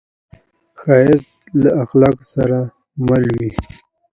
ښایست له اخلاقو سره مل وي